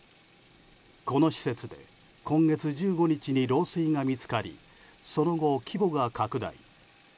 この施設で今月１５日に漏水が見つかりその後、規模が拡大。